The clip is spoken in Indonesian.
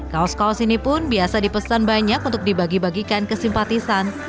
kaos kaos ini pun biasa dipesan banyak untuk dibagi bagikan ke simpatisan